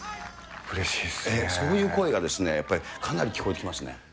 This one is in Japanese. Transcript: そういう声がかなり聞こえてきましたね。